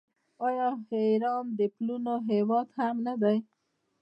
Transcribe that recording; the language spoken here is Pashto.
آیا ایران د پلونو هیواد هم نه دی؟